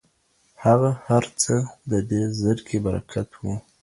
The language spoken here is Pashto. هغه هرڅه د دې زرکي برکت و